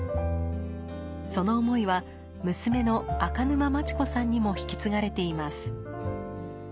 その思いは娘の赤沼真知子さんにも引き継がれています。